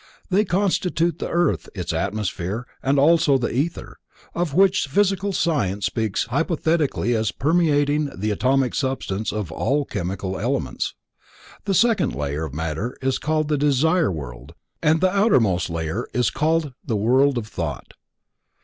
They constitute the earth, its atmosphere, and also the ether, of which physical science speaks hypothetically as permeating the atomic substance of all chemical elements. The second layer of matter is called the Desire World and the outermost layer is called the World of Thought.